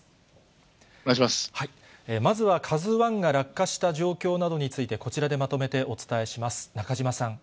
まずはＫＡＺＵＩが落下した状況などについて、こちらでまとめてお伝えします。